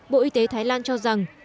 bộ y tế thái lan cho rằng